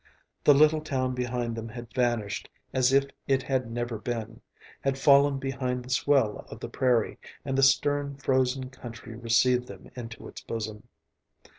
The little town behind them had vanished as if it had never been, had fallen behind the swell of the prairie, and the stern frozen country received them into its bosom.